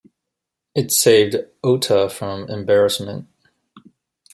It saved Ota from embarrassment.